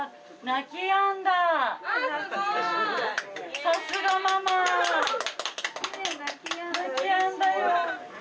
泣きやんだよ。